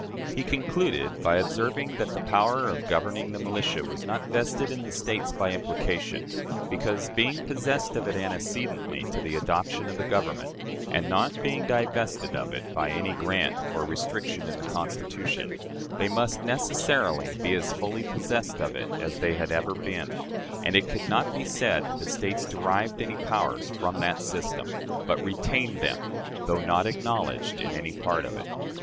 "He concluded by observing that the power of governing the militia was not vested in the States by implication, because, being possessed of it antecedently to the adoption of the Government, and not being divested of it by any grant or restriction in the Constitution, they must necessarily be as fully possessed of it as ever they had been, and it could not be said that the States derived any powers from that system, but retained them, though not acknowledged in any part of it."